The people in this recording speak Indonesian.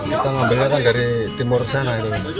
kita ngambilnya kan dari timur sana